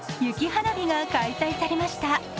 雪花火が開催されました。